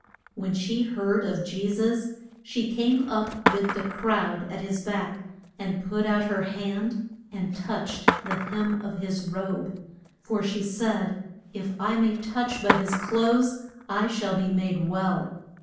When she heard of Je sus she came up with the crowd at his back, and put out her hand and touched the hem of his robe. For, she said, if I may touch but his clothes I shall be made well.